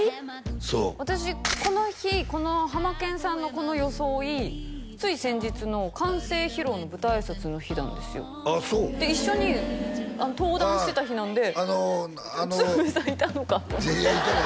そう私この日このハマケンさんのこの装いつい先日の完成披露の舞台挨拶の日なんですよああそう一緒に登壇してた日なんで鶴瓶さんいたのかと思っていてな